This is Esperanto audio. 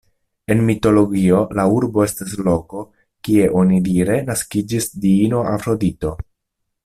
En mitologio la urbo estas loko, kie onidire naskiĝis diino Afrodito.